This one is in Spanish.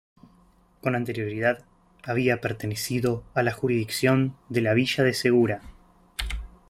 Con anterioridad había pertenecido a la jurisdicción de la villa de Segura.